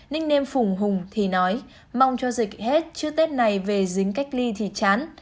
ninh nêm phùng hùng thì nói mong cho dịch hết chứ tết này về dính cách ly thì chán